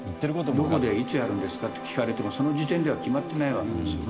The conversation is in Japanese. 「どこでいつやるんですか？」って聞かれてもその時点では決まってないわけですよね。